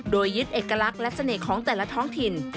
โดยยึดเอกลักษณ์และเสน่ห์ของแต่ละท้องถิ่น